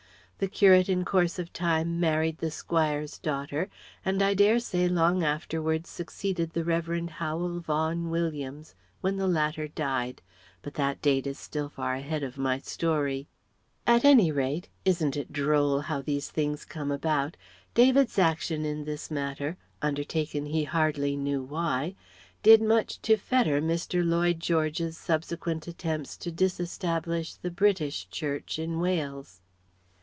The curate in course of time married the squire's daughter and I dare say long afterwards succeeded the Revd. Howel Vaughan Williams when the latter died but that date is still far ahead of my story. At any rate isn't it droll how these things come about? David's action in this matter, undertaken he hardly knew why did much to fetter Mr. Lloyd George's subsequent attempts to disestablish the British Church in Wales.